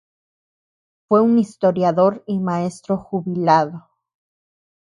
Fue un historiador y maestro jubilado.